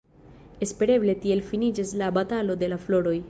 Espereble tiel finiĝas la batalo de la floroj.